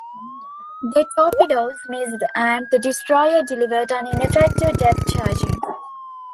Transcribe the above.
The torpedoes missed, and the destroyer delivered an ineffective depth charging.